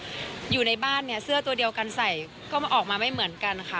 อยู่ในบ้านเนี่ยเสื้อตัวเดียวกันใส่ก็ออกมาไม่เหมือนกันค่ะ